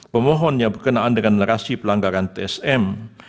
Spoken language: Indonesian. pemohon yang berkenaan dengan narasi pelanggaran tsm